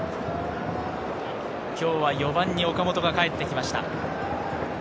今日は４番に岡本が帰ってきました。